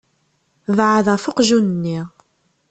Beεεed ɣef uqjun-nni.